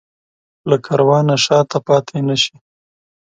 له کاروانه شاته پاتې نه شي.